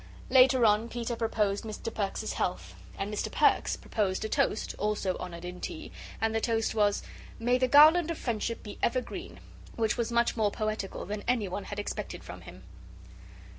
Later on Peter proposed Mr. Perks's health. And Mr. Perks proposed a toast, also honoured in tea, and the toast was, "May the garland of friendship be ever green," which was much more poetical than anyone had expected from him.